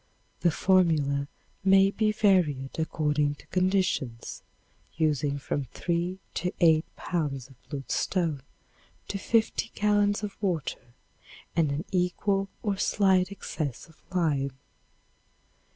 The formula may be varied according to conditions, using from 3 to 8 pounds of bluestone to 50 gallons of water and an equal or slight excess of lime.